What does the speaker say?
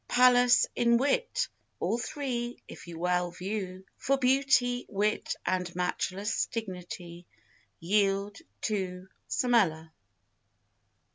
Pallas in wit, all three, if you well view, For beauty, wit, and matchless dignity Yield to Samela.